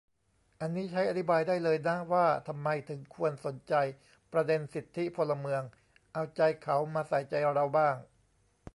อันนี้ใช้อธิบายได้เลยนะ ว่าทำไมถึงควรสนใจประเด็นสิทธิพลเมือง เอาใจเขามาใส่ใจเราบ้าง